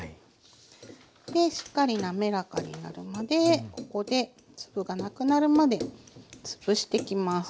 しっかり滑らかになるまでここで粒がなくなるまでつぶしてきます。